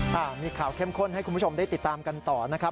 อ่ามีข่าวเข้มข้นให้คุณผู้ชมได้ติดตามกันต่อนะครับ